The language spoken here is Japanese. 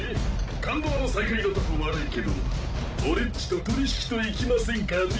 感動の再会のとこ悪いけど俺っちと取り引きといきませんかね？